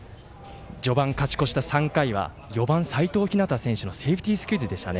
序盤、勝ち越した３回は４番、齋藤陽選手のセーフティースクイズでしたね。